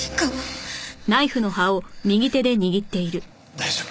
大丈夫。